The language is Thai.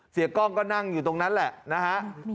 กล้องก็นั่งอยู่ตรงนั้นแหละนะฮะ